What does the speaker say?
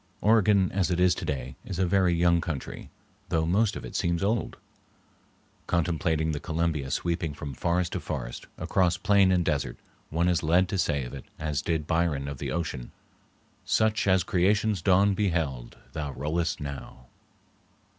Oregon as it is today is a very young country, though most of it seems old. Contemplating the Columbia sweeping from forest to forest, across plain and desert, one is led to say of it, as did Byron of the ocean,— "Such as Creation's dawn beheld, thou rollest now."